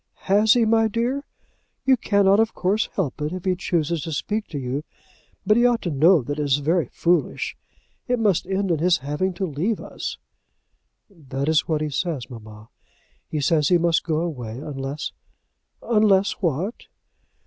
"Has he, my dear? You cannot, of course, help it if he chooses to speak to you, but he ought to know that it is very foolish. It must end in his having to leave us." "That is what he says, mamma. He says he must go away unless " "Unless what?"